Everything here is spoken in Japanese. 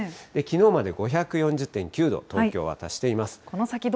きのうまで５４０．９度、東京は達しています。